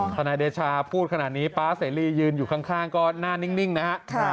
ทนายเดชาพูดขนาดนี้ป๊าเสรียืนอยู่ข้างก็หน้านิ่งนะฮะ